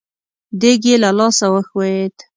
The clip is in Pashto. دېګ يې له لاسه وښوېد.